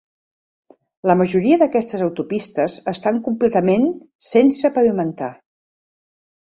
La majoria d'aquestes autopistes estan completament sense pavimentar.